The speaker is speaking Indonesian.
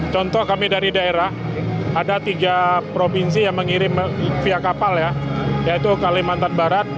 contoh kami dari daerah ada tiga provinsi yang mengirim via kapal ya yaitu kalimantan barat